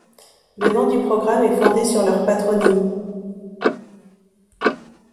Le nom du programme est fondé sur leur patronyme.